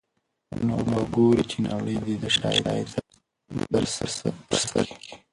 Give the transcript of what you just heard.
نو به ګورې چي نړۍ دي د شاهي تاج در پرسر کي